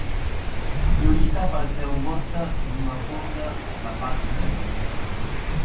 Florita apareceu morta nunha fonda da parte vella.